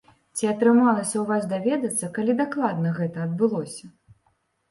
Ці атрымалася ў вас даведацца, калі дакладна гэта адбылося?